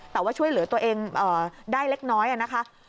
แต่ว่าช่วยเหลือตัวเองได้เล็กน้อยนะคะ